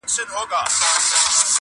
علت یې هماغه د ده خپله خبره ده -